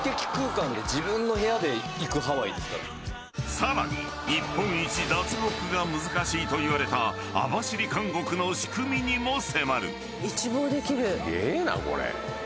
更に、日本一脱獄が難しいといわれた網走監獄の仕組みにも迫る。